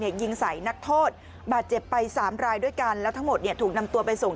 เนี่ยจะยิงสายนักโทษบัตรเจ็บไป๓รายด้วยกันและทั้งหมดเนี่ยถูกนำตัวไปส่ง